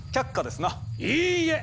いいえ！